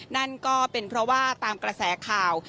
นั่นก็เป็นเพราะว่าตามกระแสข่าว